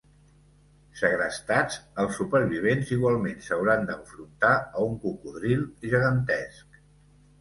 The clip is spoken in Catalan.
Segrestats, els supervivents igualment s'hauran d'enfrontar a un cocodril gegantesc.